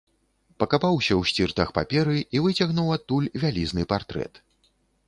Пакапаўся ў сціртах паперы і выцягнуў адтуль вялізны партрэт.